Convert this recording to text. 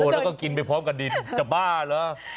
แล้วก็กินไปพร้อมกับดินจะบ้าเหรอ